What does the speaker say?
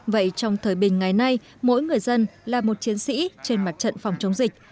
vậy trong thời bình ngày nay mỗi người dân là một chiến sĩ trên mặt trận phòng chống dịch